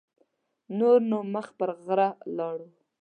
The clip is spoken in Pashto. نور نو مخ پر غره لاړو.